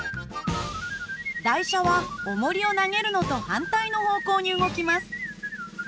台車はおもりを投げるのと反対の方向に動きます。